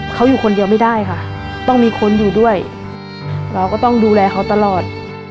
เขาอยู่คนเดียวไม่ได้ค่ะต้องมีคนอยู่ด้วยเราก็ต้องดูแลเขาตลอด